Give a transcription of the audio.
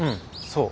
そう。